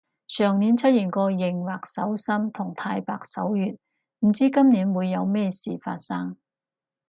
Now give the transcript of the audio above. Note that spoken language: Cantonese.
上年出現過熒惑守心同太白守月，唔知今年會有咩事發生